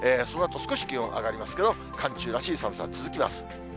そのあと少し気温上がりますけれども、寒中らしい寒さ続きます。